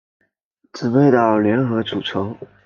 姊妹岛联合组成。